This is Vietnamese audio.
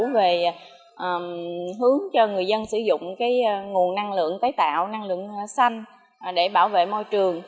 về hướng cho người dân sử dụng nguồn năng lượng tái tạo năng lượng xanh để bảo vệ môi trường